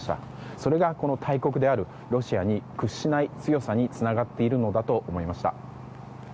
それが、この大国であるロシアに屈しない強さにつながっているのだと思いました。